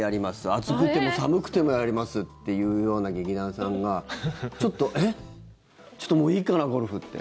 暑くても寒くてもやりますっていうような劇団さんがえっ、ちょっともういいかな、ゴルフって。